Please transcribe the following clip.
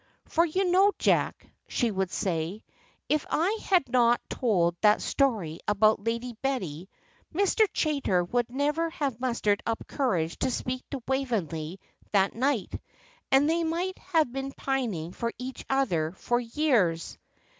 "For you know, Jack," she would say, "if I had not told that story about Lady Betty, Mr. Chaytor would never have mustered up courage to speak to Waveney that night, and they might have been pining for each other for years."